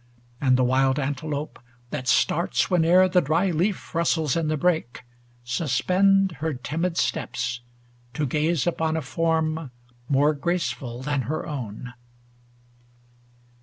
And the wild antelope, that starts when e'er The dry leaf rustles in the brake, suspend Her timid steps, to gaze upon a form More graceful than her own.